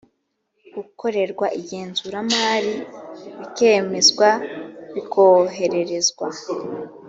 gukorerwa igenzuramari bikemezwa bikohererezwa